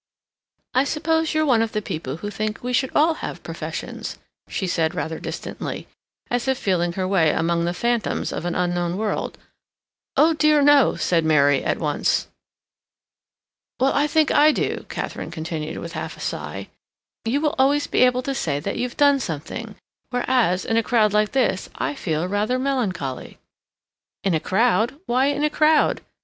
"I suppose you're one of the people who think we should all have professions," she said, rather distantly, as if feeling her way among the phantoms of an unknown world. "Oh dear no," said Mary at once. "Well, I think I do," Katharine continued, with half a sigh. "You will always be able to say that you've done something, whereas, in a crowd like this, I feel rather melancholy." "In a crowd? Why in a crowd?"